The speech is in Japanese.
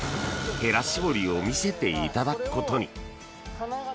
へら絞りを見せていただくことに。